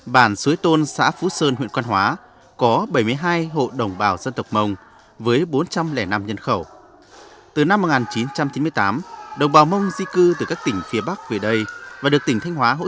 bản xuối tôn xã phú sơn huyện quan hóa có bảy mươi hai hộ đồng bào dân tộc mông với bốn trăm linh năm nhân khẩu